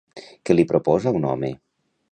Què li proposa un home?